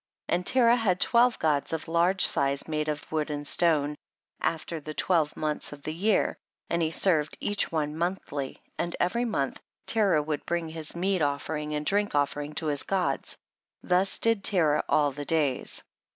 8. And Terah had twelve gods of large size, made of wood and stone, after the twelve months of the year, and he served each one monthly, and every month Terah would bring his weai' offering and drink offeringto his gods ; thus did Terah all the days.